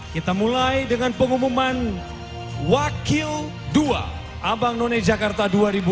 kita mulai dengan pengumuman wakil dua abang none jakarta dua ribu dua puluh